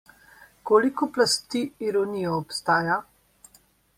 Koliko plasti ironije obstaja?